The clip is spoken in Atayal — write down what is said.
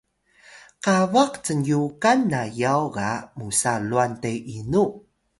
qabax cnyukan na yaw ga musa lwan te inu?